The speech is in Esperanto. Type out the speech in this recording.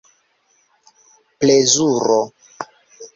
plezuro